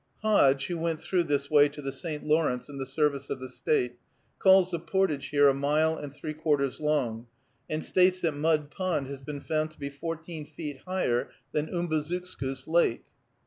Hodge, who went through this way to the St. Lawrence in the service of the State, calls the portage here a mile and three quarters long, and states that Mud Pond has been found to be fourteen feet higher than Umbazookskus Lake.